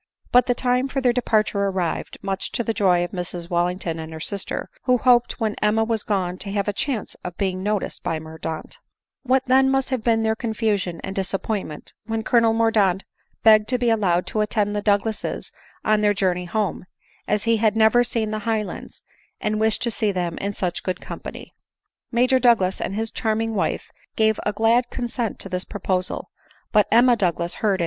But the time for their departure arrived, much to the joy of Mrs Wallington and her sister, who hoped when Emma was gone to have a chance of being noticed by Mordaunt. ^mm ADELINE MOWBRAY. 281 What then must have been their confusion and disap pointment, when Colonel Mordaunt begged to be allowed to attend the Douglases on their journey home, as he had never seen the Highlands, and wished to see them in such good company! Major Douglas and his charming wife gave a glad consent to this proposal : but Emma Douglas heard